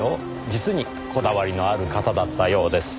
実にこだわりのある方だったようです。